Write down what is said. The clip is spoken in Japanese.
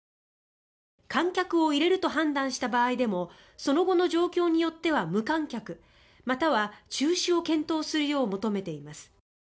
観客を入れると判断した場合でもその後の状況によっては無観客または中止を検討するよう求めています。